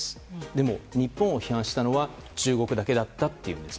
でも日本を批判したのは中国だけだったということです。